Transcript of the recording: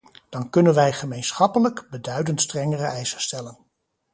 Dan kunnen wij gemeenschappelijk beduidend strengere eisen stellen.